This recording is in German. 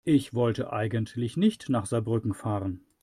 Ich wollte eigentlich nicht nach Saarbrücken fahren